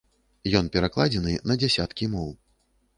Ён перакладзены на дзясяткі моў.